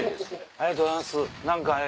ありがとうございます何かね